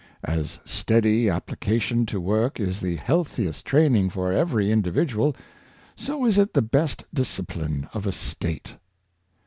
As steady applica tion to work is the healthiest training for every indi vidual, so is it the best discipline of a state.